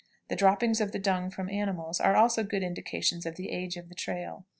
The droppings of the dung from animals are also good indications of the age of a trail.